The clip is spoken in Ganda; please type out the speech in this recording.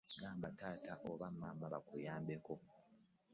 Gamba taata oba maama bakuyambeko.